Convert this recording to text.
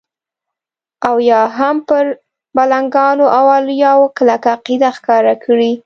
او یا هم پر ملنګانو او اولیاو کلکه عقیده ښکاره کړي.